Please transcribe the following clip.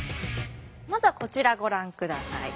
まずはこちらご覧ください。